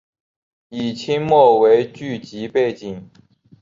以清末为剧集背景。